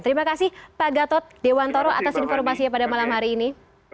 terima kasih pak gatot dewantoro atas informasinya pada malam hari ini